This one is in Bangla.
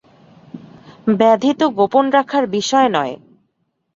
ব্যাধি তো গোপন রাখার বিষয় নয়।